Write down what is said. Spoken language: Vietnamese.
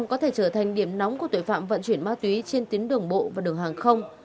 có thể trở thành điểm nóng của tội phạm vận chuyển ma túy trên tuyến đường bộ và đường hàng không